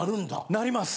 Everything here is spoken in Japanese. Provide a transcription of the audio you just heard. なります！